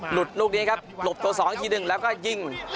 ลูกนี้ครับหลบตัว๒อีกทีหนึ่งแล้วก็ยิง